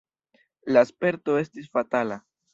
La sperto estis fatala.